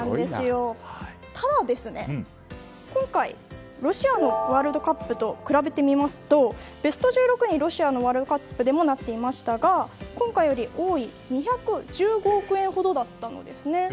ただ、今回ロシアのワールドカップと比べてみますとベスト１６にロシアのワールドカップでもなっていましたが今回より多い２１５億円ほどだったんです。